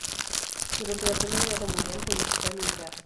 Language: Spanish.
Durante la primera guerra mundial fue un hospital militar.